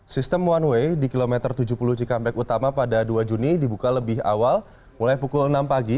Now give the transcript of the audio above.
sistem one way di kilometer tujuh puluh cikampek utama pada dua juni dibuka lebih awal mulai pukul enam pagi